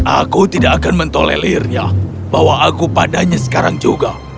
aku tidak akan mentolelirnya bahwa aku padanya sekarang juga